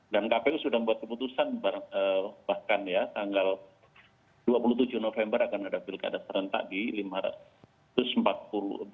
dan kpu sudah membuat keputusan bahkan ya tanggal dua puluh tujuh november akan ada pilkada serentak di lima ratus empat belas kabupaten